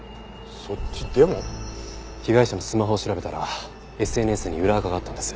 被害者のスマホを調べたらＳＮＳに裏アカがあったんです。